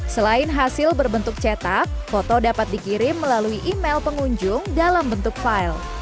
selain hasil berbentuk cetak foto dapat dikirim melalui email pengunjung dalam bentuk file